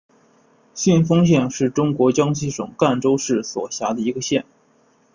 信丰县是中国江西省赣州市所辖的一个县。